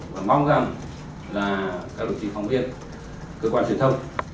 và mong rằng là các đồng chí phóng viên cơ quan truyền thông